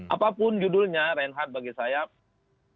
apapun judulnya reinhardt bagi saya bicara